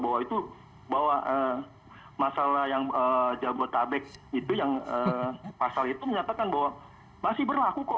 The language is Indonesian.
bahwa itu bahwa masalah yang jabodetabek itu yang pasal itu menyatakan bahwa masih berlaku kok